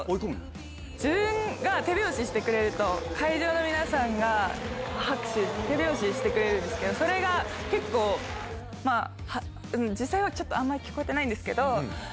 自分が手拍子してくれると、会場の皆さんが拍手、手拍子してくれるんですけど、それが結構、実際はちょっとあんま聞こえてないんですけど。